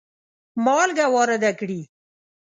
مالګه وارده کړي.